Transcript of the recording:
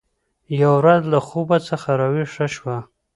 یوه ورځ له خوب څخه راویښه شوه